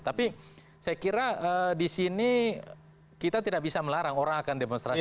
tapi saya kira di sini kita tidak bisa melarang orang akan demonstrasi